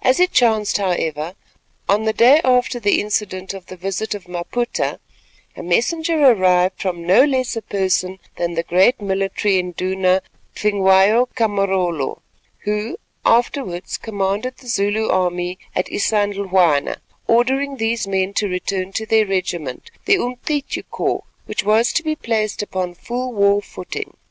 As it chanced, however, on the day after the incident of the visit of Maputa, a messenger arrived from no less a person than the great military Induna, Tvingwayo ka Marolo, who afterwards commanded the Zulu army at Isandhlwana, ordering these men to return to their regiment, the Umcityu Corps, which was to be placed upon full war footing.